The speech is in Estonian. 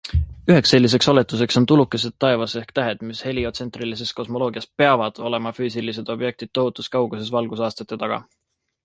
Üheks selliseks oletuseks on tulukesed taevas ehk tähed, mis heliotsentrilises kosmoloogias PEAVAD olema füüsilised objektid tohutus kauguses valgusaastate taga.